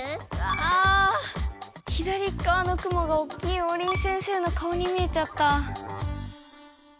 ああ左っかわの雲がおっきいオウリン先生の顔に見えちゃった。